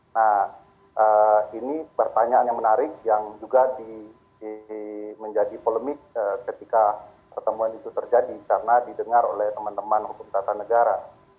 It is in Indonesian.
nah ini pertanyaan yang menarik yang juga menjadi polemik ketika pertemuan itu terjadi karena didengar oleh teman teman hukum tata negara